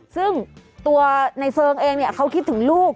ซึ่งตัวนายเซิงเองเนี่ยเขาคิดถึงลูก